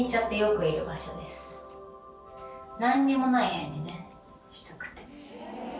何にもない部屋にねしたくて。